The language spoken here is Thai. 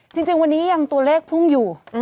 จริงวันนี้ตัวเลขยังพุ่งอยู่